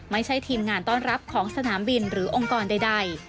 ไม่ใช่ทีมงานต้อนรับของสนามบินหรือองค์กรใด